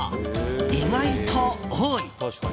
意外と多い！